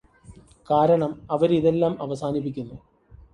കാരണം അവരിതെല്ലാം അവസാനിപ്പിക്കുന്നു